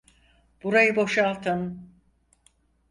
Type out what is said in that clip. Burayı boşaltın!